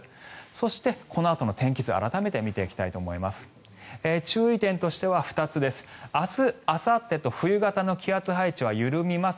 そして、このあとの天気図改めて見ていきたいと思います。